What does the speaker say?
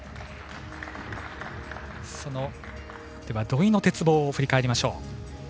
土井の鉄棒を振り返りましょう。